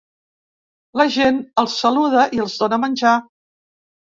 La gent els saluda i els dóna menjar.